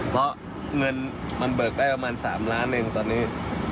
เพราะเงินมันเบิกได้ประมาณ๓ล้านเองตอนนี้